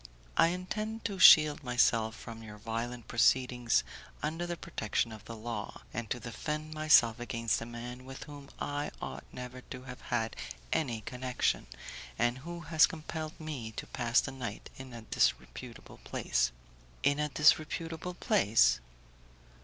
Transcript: "I intend to shield myself from your violent proceedings under the protection of the law, and to defend myself against a man with whom I ought never to have had any connection, and who has compelled me to pass the night in a disreputable place." "In a disreputable place?"